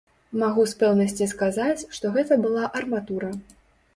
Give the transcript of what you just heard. Магу з пэўнасці сказаць, што гэта была арматура.